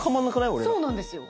俺らそうなんですよ